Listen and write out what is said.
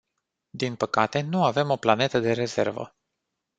Din păcate, nu avem o planetă de rezervă.